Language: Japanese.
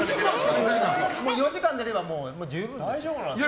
４時間寝れば十分です。